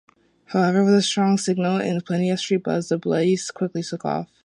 However, with a strong signal and plenty of street-buzz, The Blaze quickly took off.